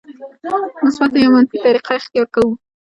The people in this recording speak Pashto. مثبته یا منفي طریقه اختیار کوو.